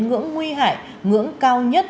ngưỡng nguy hại ngưỡng cao nhất